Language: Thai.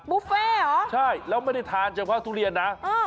บุฟเฟ่เหรอใช่แล้วไม่ได้ทานเฉพาะทุเรียนนะ